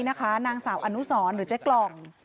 นางสาวอนุสรหรือเจ๊กล่อง